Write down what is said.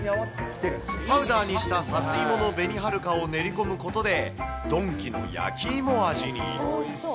パウダーにしたさつまいもの紅はるかを練り込むことで、ドンキの焼き芋味に。